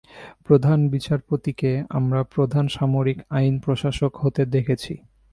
প্রধান বিচারপতিকে আমরা প্রধান সামরিক আইন প্রশাসক হতে দেখেছি।